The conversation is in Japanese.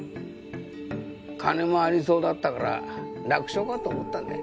金もありそうだったから楽勝かと思ったんだよ。